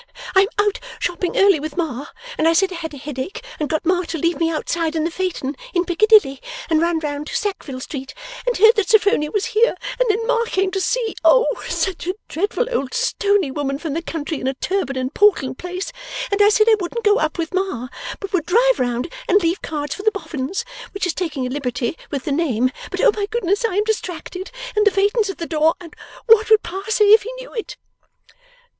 I am out shopping early with Ma, and I said I had a headache and got Ma to leave me outside in the phaeton, in Piccadilly, and ran round to Sackville Street, and heard that Sophronia was here, and then Ma came to see, oh such a dreadful old stony woman from the country in a turban in Portland Place, and I said I wouldn't go up with Ma but would drive round and leave cards for the Boffins, which is taking a liberty with the name; but oh my goodness I am distracted, and the phaeton's at the door, and what would Pa say if he knew it!